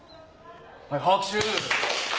はい拍手！